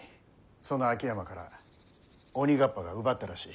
その秋山から鬼河童が奪ったらしい。